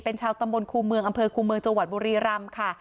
เป็นชาวตำบลครูเมืองอำเภอคูเมืองจังหวัดบุรีรำค่ะ